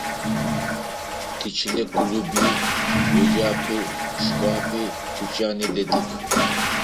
Тичылэ клуби, еджапӏи, шхапӏи, тучани дэтых.